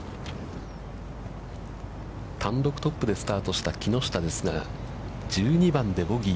単独トップでスタートした木下ですが、１２番でボギー。